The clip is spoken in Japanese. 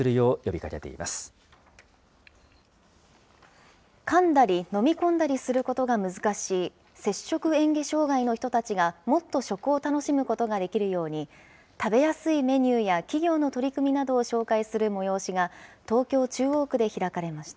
かんだり飲み込んだりすることが難しい摂食えん下障害の人たちが、もっと食を楽しむことができるように、食べやすいメニューや企業の取り組みなどを紹介する催しが、東京・中央区で開かれました。